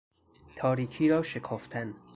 تاریکی را شکافتن